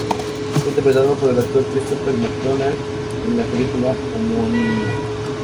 Fue interpretado por el actor Christopher McDonald en la película homónima.